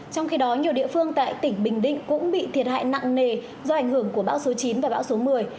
trong khi đó nhiều địa phương tại tỉnh bình định cũng bị thiệt hại nặng nề do ảnh hưởng của bão số chín và bão số một mươi